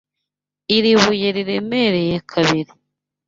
Iri buye riremereye kabiri.